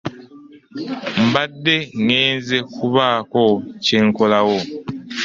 Mbadde ŋŋenze kubaako kye nkolawo.